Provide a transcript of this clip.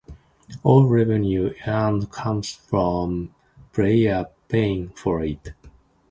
All revenues earned come from players paying for it.